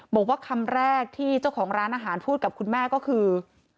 บอกว่าคำแรกที่เจ้าของร้านอาหารพูดกับคุณแม่ก็คือ